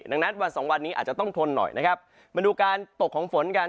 ดังนั้นวันสองวันนี้อาจจะต้องทนหน่อยนะครับมาดูการตกของฝนกัน